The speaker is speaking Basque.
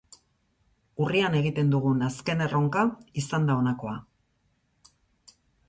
Urrian egiten dugun azken erronka izan da honakoa.